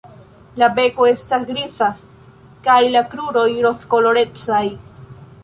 La beko estas griza kaj la kruroj rozkolorecaj.